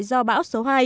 do bão số hai